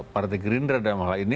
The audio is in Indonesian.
partai gerindra dalam hal ini